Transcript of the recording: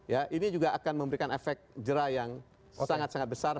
ya ini juga akan memberikan efek jerai yang sangat sangat besar